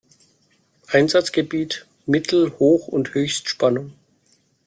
Einsatzgebiet: Mittel-, Hoch- und Höchstspannung.